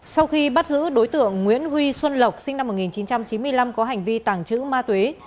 sau khi bắt giữ đối tượng nguyễn huy xuân lộc sinh năm một nghìn chín trăm chín mươi năm có hành vi tàng trữ ma túy